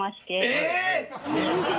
えっ！？